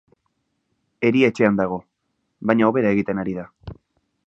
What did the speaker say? Erietxean dago, baina hobera egiten ari da.